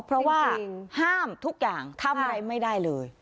เพราะว่าห้ามทุกอย่างทำอะไรไม่ได้เลย